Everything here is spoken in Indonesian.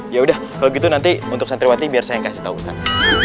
ya udah kalau gitu nanti untuk satriwati biar saya yang kasih tau ustadz